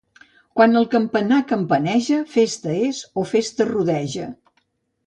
Quan el campanar campaneja, festa és o festa rodeja.